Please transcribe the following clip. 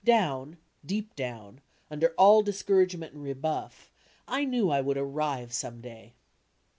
Down, deep down, under all discouragement and rebuflF, I knew I would "arrive" some day.